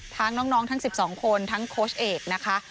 ทั้งน้องทั้ง๑๒คนทั้งโค้ชเอกนะคะ